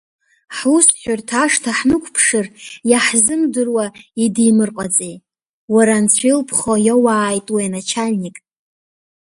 Ҳусҳәарҭа ашҭа ҳнықәыԥшыр, иаҳзымдыруа идимырҟаҵеи, уара, анцәа илыԥха иауааит уи аначальник.